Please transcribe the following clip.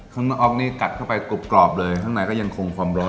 ข้างนอกนี้กัดเข้าไปกรอบเลยข้างในก็ยังคงความร้อนอยู่